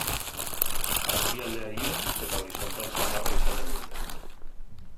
Azpialdea ilun eta horizontal samarra izaten dute.